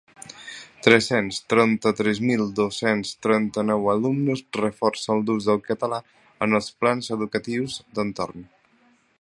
Tres-cents trenta-tres mil dos-cents trenta-nou alumnes reforcen l’ús del català en els plans educatius d’entorn.